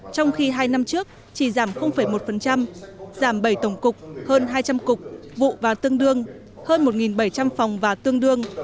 trong khi hai năm trước chỉ giảm một giảm bảy tổng cục hơn hai trăm linh cục vụ và tương đương hơn một bảy trăm linh phòng và tương đương